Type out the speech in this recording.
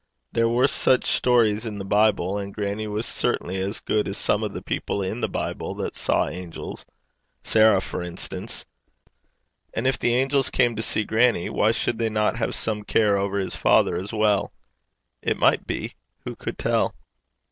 There were such stories in the Bible, and grannie was certainly as good as some of the people in the Bible that saw angels Sarah, for instance. And if the angels came to see grannie, why should they not have some care over his father as well? It might be who could tell?